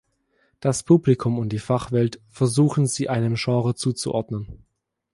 Das Publikum und die Fachwelt versuchen sie einem Genre zuzuordnen.